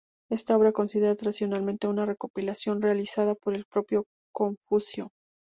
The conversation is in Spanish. Esta obra se considera tradicionalmente una recopilación realizada por el propio Confucio.